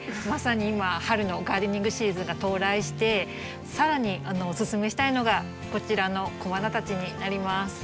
まさに今春のガーデニングシーズンが到来してさらにおすすめしたいのがこちらの小花たちになります。